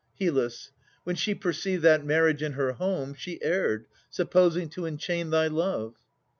HYL. When she perceived that marriage in her home, She erred, supposing to enchain thy love.